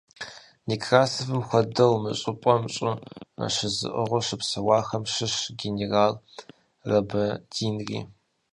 Некрасовым хуэдэу мы щӀыпӀэм щӀы щызыӀыгъыу щыпсэуахэм щыщщ генерал Лабадинри.